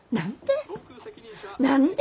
何で？